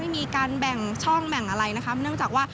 ไม่มีการแบ่งช่องแบ่งอะไรนะคะ